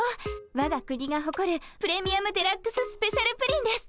わが国がほこるプレミアムデラックススペシャルプリンです。